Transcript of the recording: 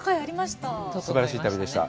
すばらしい旅でした。